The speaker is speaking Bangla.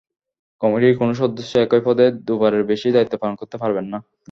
কমিটির কোনো সদস্য একই পদে দুবারের বেশি দায়িত্ব পালন করতে পারবেন না।